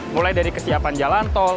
mulai dari kesiapan jalan tol